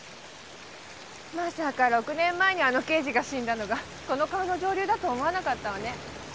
まさか６年前にあの刑事が死んだのがこの川の上流だと思わなかったわね。